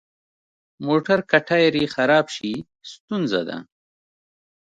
موټر که ټایر یې خراب شي، ستونزه ده.